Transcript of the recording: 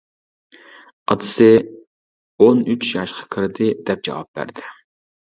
ئاتىسى: ‹ئون ئۈچ ياشقا كىردى› دەپ جاۋاب بەردى.